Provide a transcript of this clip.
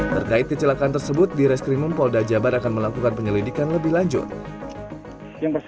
terkait kecelakaan tersebut di reskrimum polda jabar akan melakukan penyelidikan lebih lanjut